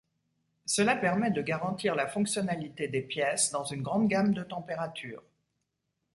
Cela permet de garantir la fonctionnalité des pièces dans une grande gamme de température.